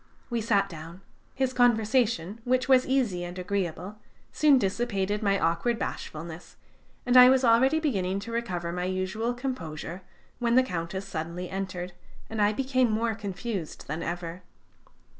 We sat down. His conversation, which was easy and agreeable, soon dissipated my awkward bashfulness; and I was already beginning to recover my usual composure, when the Countess suddenly entered, and I became more confused than ever.